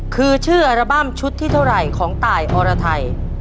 คือชื่ออัลบั้มชุดที่เท่าไหร่ของตายอรไทย